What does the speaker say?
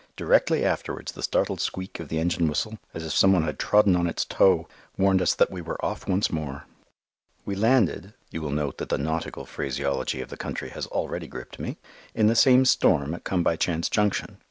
Directly afterwards the startled squeak of the engine whistle, as if some one had trodden on its toe, warned us that we were off once more. We landed (you will note that the nautical phraseology of the country has already gripped me) in the same storm at Come by Chance Junction.